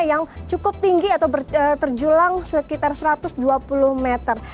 yang cukup tinggi atau terjulang sekitar satu ratus dua puluh meter